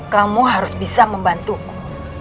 kamu harus bisa membantuku